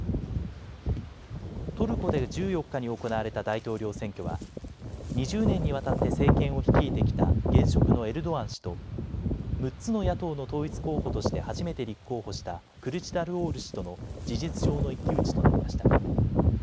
トルコで１４日に行われた大統領選挙は２０年にわたって政権を率いてきた現職のエルドアン氏と６つの野党の統一候補として初めて立候補したクルチダルオール氏との事実上の一騎打ちとなりました。